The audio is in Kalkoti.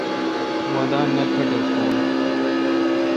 می دان پٹھکون۔